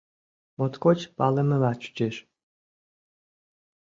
Моткоч палымыла чучеш.